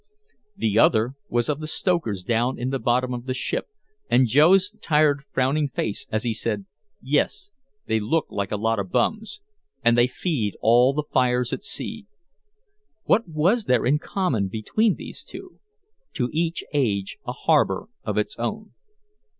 The other was of the stokers down in the bottom of the ship, and Joe's tired frowning face as he said, "Yes, they look like a lot of bums and they feed all the fires at sea." What was there in common between these two? To each age a harbor of its own.